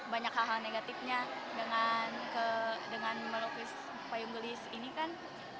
banyak hal hal negatifnya dengan melukis payung gelis ini kan